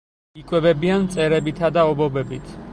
იკვებებიან მწერებითა და ობობებით.